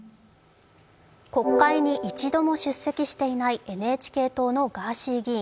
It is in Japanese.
国会に一度も出席していないＮＨＫ党のガーシー議員。